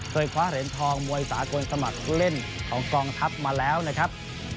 คว้าเหรียญทองมวยสากลสมัครเล่นของกองทัพมาแล้วนะครับ